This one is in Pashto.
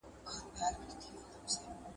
او نغمې ږغوي